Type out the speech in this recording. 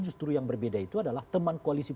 justru yang berbeda itu adalah teman koalisi